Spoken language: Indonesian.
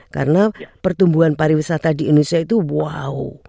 karena pertumbuhan pariwisata di indonesia itu wow